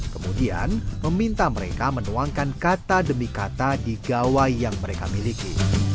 kemudian meminta mereka menuangkan kata demi kata di gawai yang mereka miliki